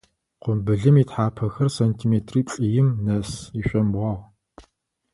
Къумбылым ытхьапэхэр сантиметриплӏ-им нэс ишъомбгъуагъ.